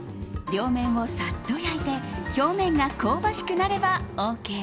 両面をサッと焼いて表面が香ばしくなればＯＫ。